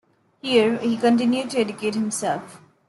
Here he continued to educate himself.